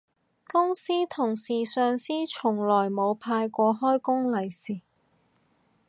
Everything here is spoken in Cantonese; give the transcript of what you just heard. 公司同事上司從來冇派過開工利是